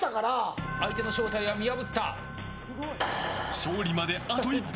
勝利まであと一歩！